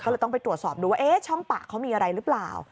ก็เลยต้องไปตรวจสอบดูว่าช่องปากเขามีอะไรหรือเปล่า